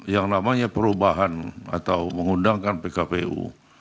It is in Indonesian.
yang namanya perubahan atau mengundangkan pkpu